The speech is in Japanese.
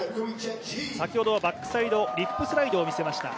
先ほどはバックサイドリップスライドを見せました。